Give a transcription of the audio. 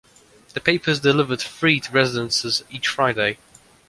The paper is delivered free to residences each Friday.